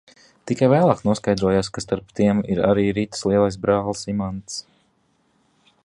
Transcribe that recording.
Tikai vēlāk noskaidrojās, ka starp tiem ir arī Ritas lielais brālis Imants.